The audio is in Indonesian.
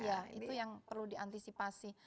iya itu yang perlu diantisipasi